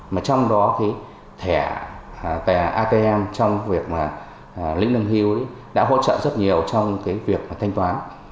mà trong đó thì thẻ atm trong việc lĩnh lương hưu đã hỗ trợ rất nhiều trong cái việc thanh toán